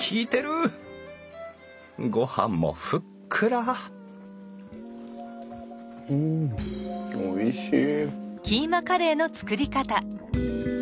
ごはんもふっくらうんおいしい。